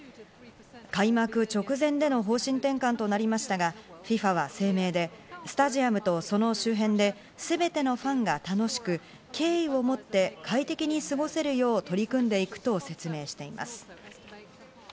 開幕直前での方針転換となりましたがＦＩＦＡは声明で、スタジアムとその周辺で、すべてのファンが楽しく、敬意をもって快適に過ごせるよう取り組んでいくと説明しています。